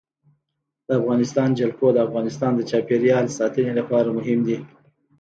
د افغانستان جلکو د افغانستان د چاپیریال ساتنې لپاره مهم دي.